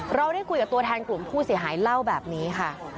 เราได้คุยกับตัวแทนกลุ่มผู้เสียหายเล่าแบบนี้ค่ะ